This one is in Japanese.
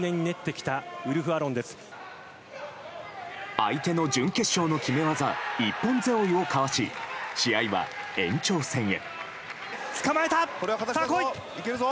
相手の準決勝の極め技一本背負いをかわし試合は延長戦へ。